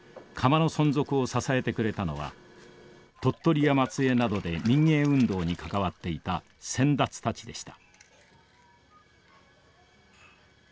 窯の存続を支えてくれたのは鳥取や松江などで民藝運動に関わっていた先達たちでした。